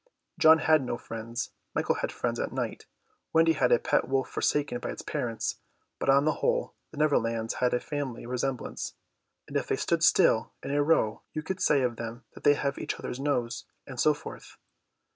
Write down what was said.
John had no friends, Michael had friends at night, Wendy had a pet wolf forsaken by its parents, but on the whole the Neverlands have a family resemblance, and if they stood still in a row you could say of them that they have each other's nose, and so forth.